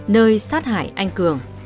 nơi sát hại anh cường